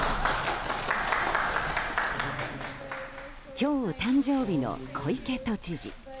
今日、誕生日の小池都知事。